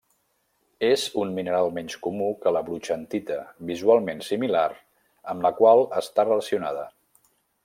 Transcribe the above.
És un mineral menys comú que la brochantita, visualment similar, amb la qual està relacionada.